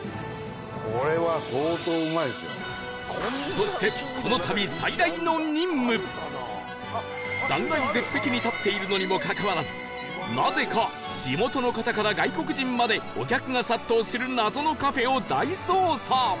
そして断崖絶壁に立っているのにもかかわらずなぜか地元の方から外国人までお客が殺到する謎のカフェを大捜査